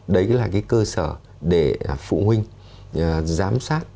đấy là cái cơ sở để phụ huynh giám sát